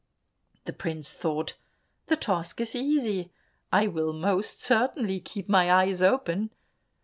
The prince thought, "The task is easy, I will most certainly keep my eyes open."